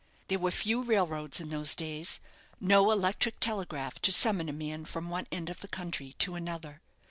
There were few railroads in those days; no electric telegraph to summon a man from one end of the country to another.